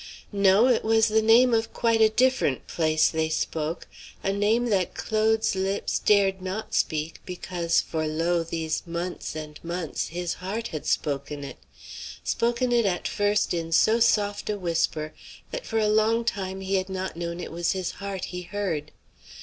No, it was the name of quite a different place they spoke; a name that Claude's lips dared not speak, because, for lo! these months and months his heart had spoken it, spoken it at first in so soft a whisper that for a long time he had not known it was his heart he heard.